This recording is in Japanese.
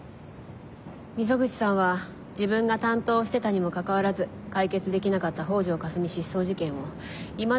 溝口さんは自分が担当してたにもかかわらず解決できなかった「北條かすみ失踪事件」をいまだに追ってるのよ。